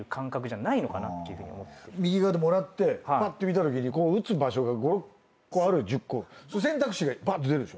右側でもらってぱって見たときに打つ場所が５６個ある選択肢がぱっと出るでしょ？